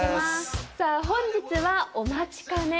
本日はお待ちかね